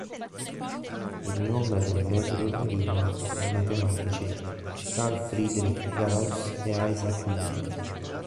Il nome del metodo deriva dai matematici Carl Friedrich Gauss e Isaac Newton.